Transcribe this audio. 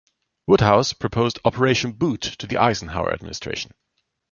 Woodhouse proposed Operation Boot to the Eisenhower administration.